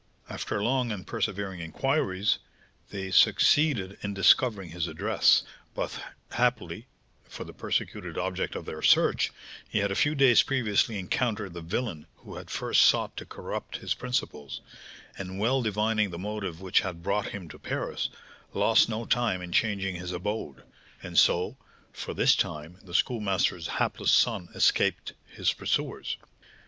After long and persevering inquiries, they succeeded in discovering his address, but, happily for the persecuted object of their search, he had a few days previously encountered the villain who had first sought to corrupt his principles, and, well divining the motive which had brought him to Paris, lost no time in changing his abode; and so, for this time, the Schoolmaster's hapless son escaped his pursuers.